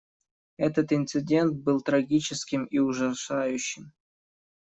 Этот инцидент был трагическим и ужасающим.